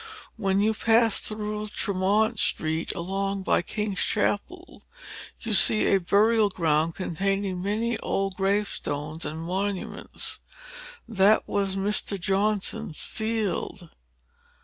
When you pass through Tremont street, along by King's Chapel, you see a burial ground, containing many old grave stones and monuments. That was Mr. Johnson's field."